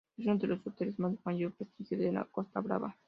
Es uno de los hoteles con mayor prestigio de la Costa Brava.